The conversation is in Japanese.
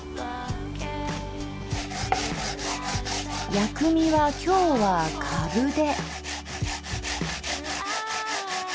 薬味は今日はかぶで。